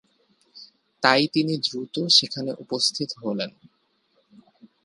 তাই তিনি দ্রুত সেখানে উপস্থিত হলেন।